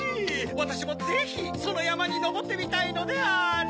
わたしもぜひそのやまにのぼってみたいのである。